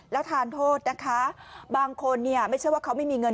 แล้วทานโทษนะคะบางคนเนี่ยไม่ใช่ว่าเขาไม่มีเงิน